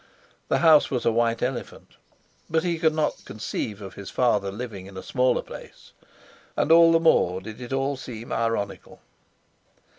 The house was a white elephant, but he could not conceive of his father living in a smaller place; and all the more did it all seem ironical.